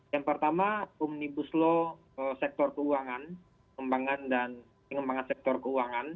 yang pertama omnibus law sektor keuangan pengembangan dan pengembangan sektor keuangan